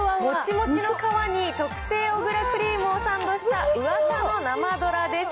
もちもちの皮に特製小倉クリームをサンドした噂の生どらです。